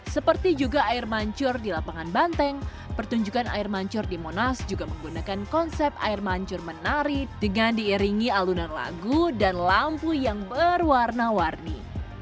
seperti juga air mancur di lapangan banteng pertunjukan air mancur di monas juga menggunakan konsep air mancur menari dengan diiringi alunan lagu dan lampu yang berwarna warni